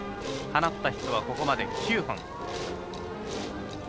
放ったヒットは、これまで９本。